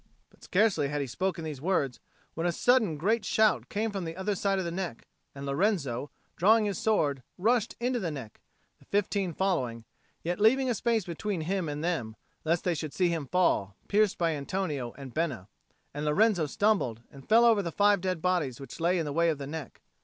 But scarcely had he spoken these words, when a sudden great shout came from the other side of the neck; and Lorenzo, drawing his sword, rushed into the neck, the fifteen following, yet leaving a space between him and them, lest they should see him fall, pierced by Antonio and Bena. And Lorenzo stumbled and fell over the five dead bodies which lay in the way of the neck.